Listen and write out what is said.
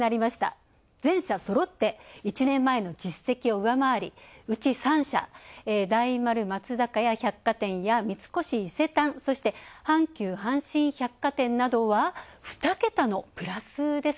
全社そろって、１年前の実績を上回り、うち３社、大丸松坂屋、阪急阪神百貨店などは２ケタのプラスです。